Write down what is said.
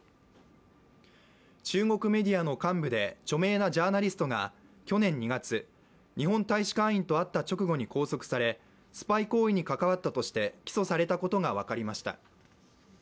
中国メディアの幹部で著名なジャーナリストが去年２月日本大使館員と会った直後に拘束されスパイ行為に関わったとして起訴されたことが分かりました。